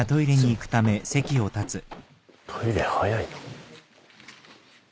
トイレ早いな。